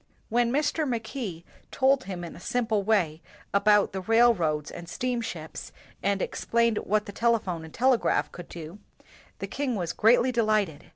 When Mr. Mackay told him in a simple way about the railroads and steamships, and explained what the telephone and telegraph could do, the king was greatly delighted.